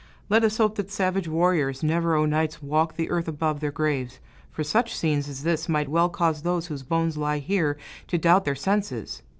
Let us hope that savage warriors never o' nights walk the earth above their graves; for such scenes as this might well cause those whose bones lie here to doubt their senses.